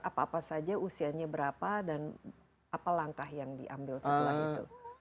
apa apa saja usianya berapa dan apa langkah yang diambil setelah itu